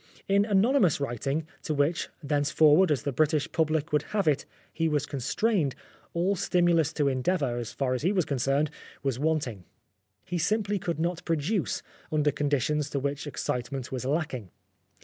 In anonymous writing, to which thenceforward, as the British public would have it, he was constrained, all stimulus to endeavour, as far as he was concerned, was wanting. He simply could not produce under conditions to which excitement was lacking.